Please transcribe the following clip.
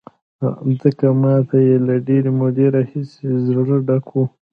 ځکه ما ته یې له ډېرې مودې راهیسې زړه ډک و.